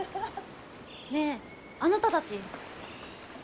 ねえあなたたち。